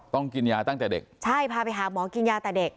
กินยาตั้งแต่เด็กใช่พาไปหาหมอกินยาแต่เด็ก